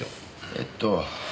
えっと。